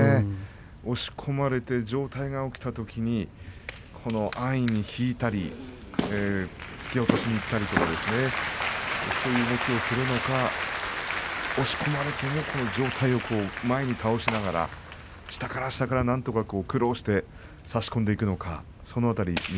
押し込まれて上体が起きたとき安易に引いたり突き落としにいったりとかそういう動きをするのか押し込まれても、上体を前に倒しながら下から下から、なんとか苦労して差し込んでいくのか